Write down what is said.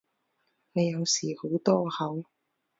你有時好多口